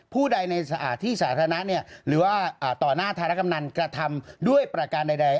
ผู้ใดในที่สาธารณะหรือว่าต่อหน้าธารกำนันกระทำด้วยประการใด